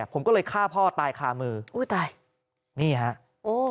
ผมก็เลยฆ่าพ่อตายคามือนี่ครับ